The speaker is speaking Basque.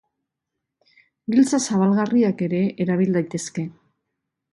Giltza zabalgarriak ere erabil daitezke.